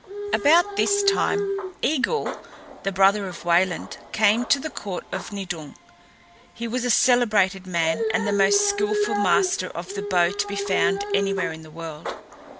About this time Eigil, the brother of Wayland, came to the court of Nidung. He was a celebrated man and the most skilful master of the bow to be found anywhere in the world.